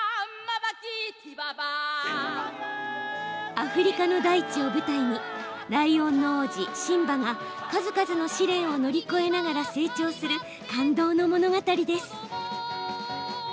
アフリカの大地を舞台にライオンの王子シンバが数々の試練を乗り越えながら成長する感動の物語です。